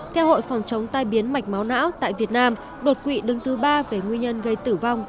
theo hội phòng chống tai biến mạch máu não tại việt nam đột quỵ đứng thứ ba về nguyên nhân gây tử vong